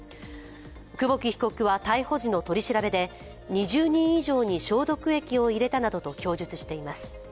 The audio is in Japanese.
久保木被告は逮捕時の取り調べで、２０人以上に消毒液を入れたなどと供述しています。